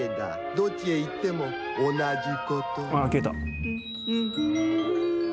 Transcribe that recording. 「どっちへ行っても同じこと」